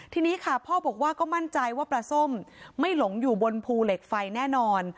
ทีนี้ค่ะพ่อบอกว่าก็มั่นใจว่าปลาส้มไม่หลงอยู่บนภูเหล็กไฟแน่นอน